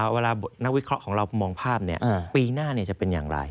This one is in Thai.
เวลานักวิเคราะห์ของเรามองภาพปีหน้าจะเป็นอย่างไร